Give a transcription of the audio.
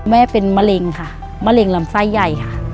แม่เป็นมะเร็งค่ะมะเร็งลำไส้ใหญ่ค่ะ